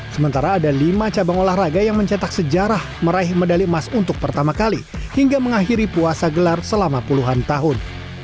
sementara ada lima cabang olahraga yang mencetak sejarah meraih medali emas untuk pertama kali hingga mengakhiri puasa gelar selama puluhan tahun